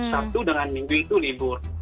sabtu dengan minggu itu libur